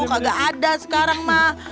kagak ada sekarang mah